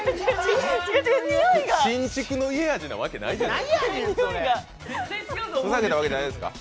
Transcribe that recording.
新築の家味なわけないじゃないですか。